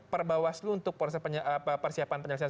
perbawas lu untuk proses penyelesaian